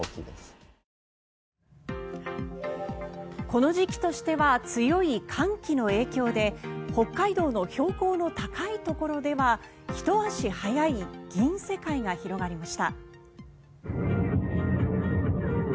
この時期としては強い寒気の影響で北海道の標高の高いところではひと足早い銀世界が広がりました。